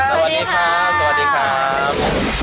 สวัสดีครับสวัสดีครับ